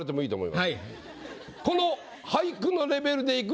この。